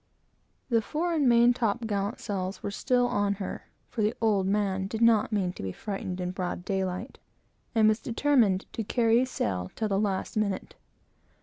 The fore and main top gallant sails were still on her, for the "old man" did not mean to be frightened in broad daylight, and was determined to carry sail till the last minute.